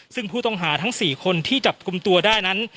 ซึ่งผู้ต้องหาทั้ง๔คนที่จับกลุ่มตัวได้นั้น